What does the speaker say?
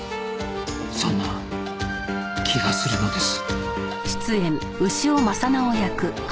そんな気がするのです